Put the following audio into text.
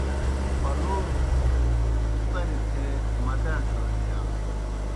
پلوئے پَریْ تھے مداڇِھیؤڑ دِیا۔